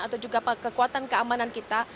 atau juga kekuatan keamanan kita